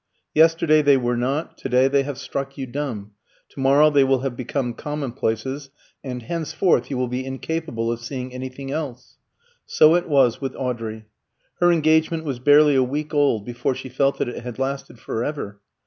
Yesterday they were not, to day they have struck you dumb, to morrow they will have become commonplaces, and henceforth you will be incapable of seeing anything else. So it was with Audrey. Her engagement was barely a week old before she felt that it had lasted for ever.